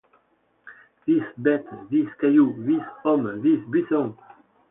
Vis, bête ; vis, caillou ; vis, homme ; vis, buisson!